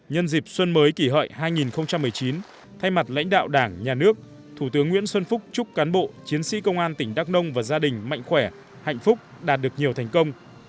nhân dịp xuân mới kỷ hợi hai nghìn một mươi chín thay mặt lãnh đạo đảng nhà nước thủ tướng nguyễn xuân phúc chúc cán bộ chiến sĩ công an tỉnh đắk nông và gia đình mạnh khỏe hạnh phúc đạt được nhiều thành công